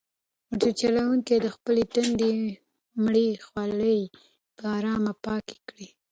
موټر چلونکي د خپل تندي مړې خولې په ارامه پاکې کړې.